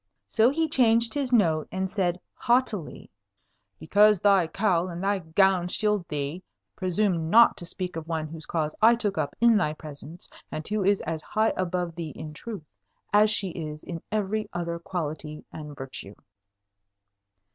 So he changed his note, and said haughtily, "Because thy cowl and thy gown shield thee, presume not to speak of one whose cause I took up in thy presence, and who is as high above thee in truth as she is in every other quality and virtue."